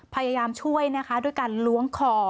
พยายามช่วยนะคะด้วยการล้วงคอ